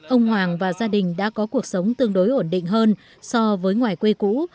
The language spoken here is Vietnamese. ông hoàng và gia đình đã có cuộc sống tương đối ổn định hơn so với ngoài quê cũ